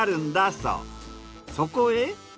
そこへ。